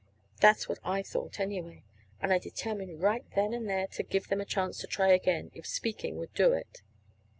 That's what I thought, anyway. And I determined right then and there to give them the chance to try again, if speaking would do it.